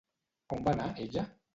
On va anar ella?